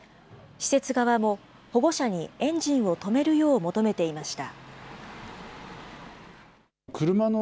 施設側も保護者にエンジンを止めるよう求めていました。